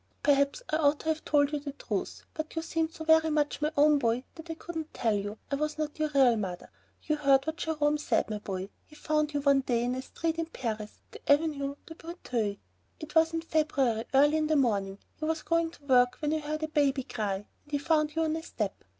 "Perhaps I ought to have told you the truth, but you seemed so much my own boy that I couldn't tell you I was not your real mother. You heard what Jerome said, my boy. He found you one day in a street in Paris, the Avenue de Breuteuil. It was in February, early in the morning, he was going to work when he heard a baby cry, and he found you on a step.